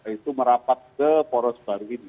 itu merapat ke poros baru ini